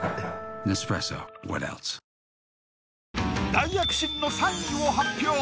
大躍進の３位を発表！